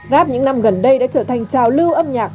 rap những năm gần đây đã trở thành trào lưu âm nhạc